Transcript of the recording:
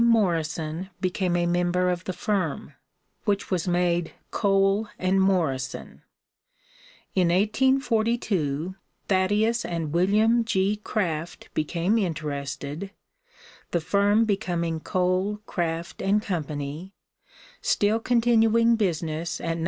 Morrison became a member of the firm, which was made Cole & Morrison. In 1842 Thaddeus and William G. Craft became interested, the firm becoming Cole, Craft & Co., still continuing business at No.